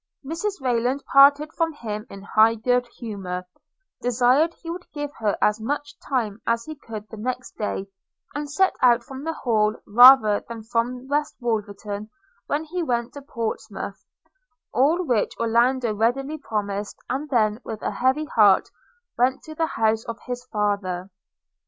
Mrs Rayland parted from him in high good humour, desired he would give her as much time as he could the next day, and set out from the Hall rather than from West Wolverton when he went to Portsmouth; all which Orlando readily promised, and then, with a heavy heart, went to the house of his father.